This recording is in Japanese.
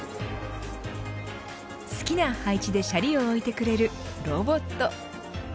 好きな配置でシャリを置いてくれるロボット。